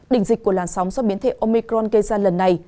đỉnh dịch của làn sóng do biến thể omicron gây ra lần này